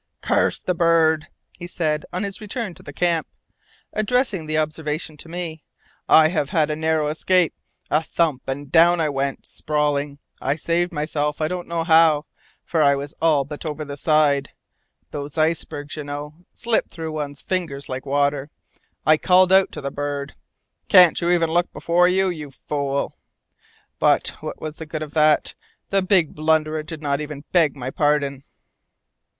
"Curse the bird!" he said on his return to the camp, addressing the observation to me. "I have had a narrow escape! A thump, and down I went, sprawling. I saved myself I don't know how, for I was all but over the side. Those ice ledges, you know, slip through one's fingers like water. I called out to the bird, 'Can't you even look before you, you fool?' But what was the good of that? The big blunderer did not even beg my pardon!"